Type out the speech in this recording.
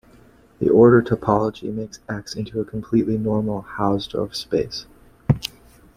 The order topology makes "X" into a completely normal Hausdorff space.